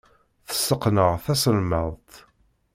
Tesseqneɛ taselmadt.